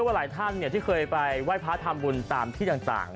หลายท่านที่เคยไปไหว้พระทำบุญตามที่ต่าง